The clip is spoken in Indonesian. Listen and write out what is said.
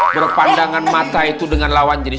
berpandangan mata itu dengan lawan jenis